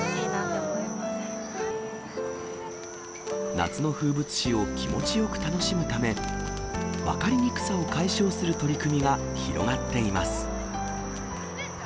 夏の風物詩を気持ちよく楽しむため、分かりにくさを解消する取り組みが広がっています。